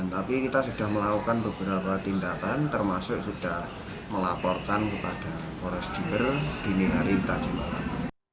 tapi kita sudah melakukan beberapa tindakan termasuk sudah melaporkan kepada pores jember dini hari tadi malam